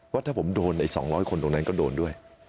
ว่าถ้าผมโดนอีก๒๐๐คนตรงนั้นก็โดนด้วย